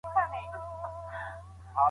ټولنیز نهاد د ټولنیزو اړیکو د تنظیم برخه ده.